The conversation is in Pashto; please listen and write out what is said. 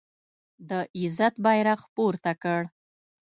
د عزت بیرغ پورته کړ